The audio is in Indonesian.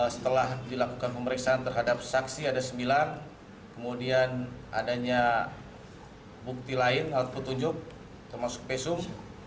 setelah dilakukan pemeriksaan terhadap saksi ada sembilan kemudian adanya bukti lain alat petunjuk termasuk pesum